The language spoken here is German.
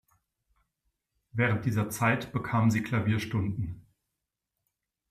Während dieser Zeit bekam sie Klavierstunden.